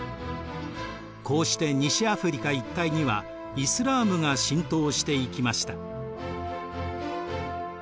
こうして西アフリカ一帯にはイスラームが浸透していきました。